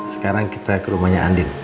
sekarang kita ke rumahnya andin